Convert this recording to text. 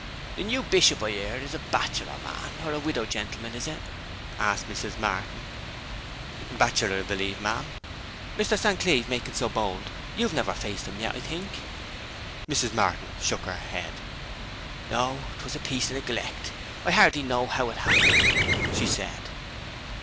'The new Bishop, I hear, is a bachelor man; or a widow gentleman is it?' asked Mrs. Martin. 'Bachelor, I believe, ma'am. Mr. San Cleeve, making so bold, you've never faced him yet, I think?' Mrs. Martin shook her head. 'No; it was a piece of neglect. I hardly know how it happened,' she said.